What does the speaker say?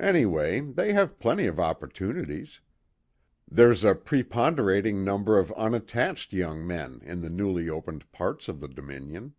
"Anyway, they have plenty of opportunities. There's a preponderating number of unattached young men in the newly opened parts of the Dominion."